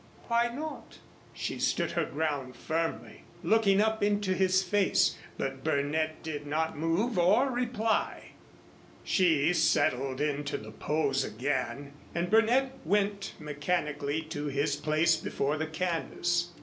"Why not?" She stood her ground firmly, looking up into his face, but Burnett did not move or reply. She settled into the pose again and Burnett went mechanically to his place before the canvas.